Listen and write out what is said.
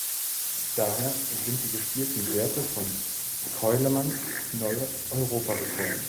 Daher sind die gespielten Werte von Ceulemans neue Europarekorde.